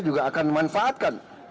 juga akan memanfaatkan